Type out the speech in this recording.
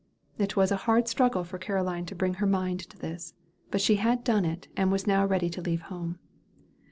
It was a hard struggle for Caroline to bring her mind to this; but she had done it, and was now ready to leave home.